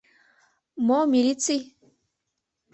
— Мо милиций?